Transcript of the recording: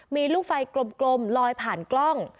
มีลูกไฟกลมลอยผ่านกล้อง